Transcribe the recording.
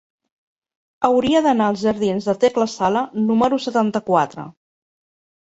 Hauria d'anar als jardins de Tecla Sala número setanta-quatre.